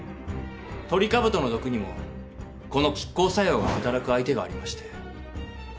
トリカブトの毒にもこの拮抗作用が働く相手がありまして。